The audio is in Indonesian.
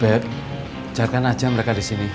beb carikan aja mereka di sini